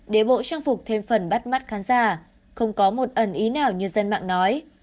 để bộ trang phục thêm phần bắt mắt khán giả không có một ẩn ý nào như dân mạng nói